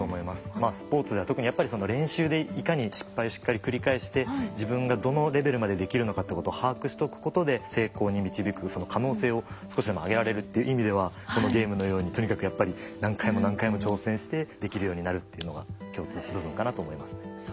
まあスポーツでは特にやっぱり練習でいかに失敗をしっかり繰り返して自分がどのレベルまでできるのかってことを把握しとくことで成功に導くその可能性を少しでも上げられるという意味ではこのゲームのようにとにかくやっぱり何回も何回も挑戦してできるようになるというのが共通部分かなと思いますね。